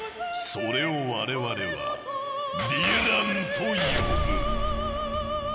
それを我々は「ヴィラン」と呼ぶ。